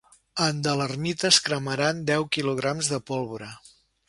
En de l’ermita es cremaran deu kg de pólvora.